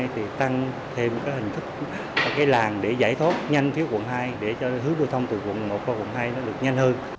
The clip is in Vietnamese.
thì tăng thêm hình thức làng để giải thoát nhanh phía quận hai để hướng đô thông từ quận một qua quận hai được nhanh hơn